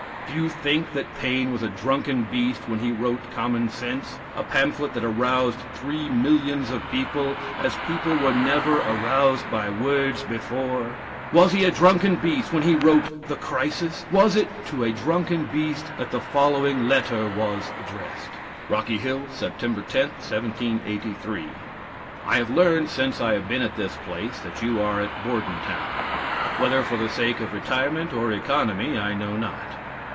Do you think that Paine was a drunken beast when he wrote "Common Sense," a pamphlet that aroused three millions of people, as people were never aroused by words before? Was he a drunken beast when he wrote the "Crisis?" Was it to a drunken beast that the following letter was addressed: "Rocky Hill, September 10, 1783. I have learned, since I have been at this place, that you are at Bordentown. Whether for the sake of retirement or economy, I know not.